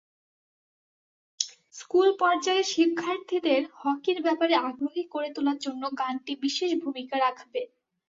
স্কুলপর্যায়ের শিক্ষার্থীদের হকির ব্যাপারে আগ্রহী করে তোলার জন্য গানটি বিশেষ ভূমিকা রাখবে।